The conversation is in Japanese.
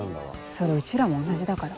それうちらも同じだから。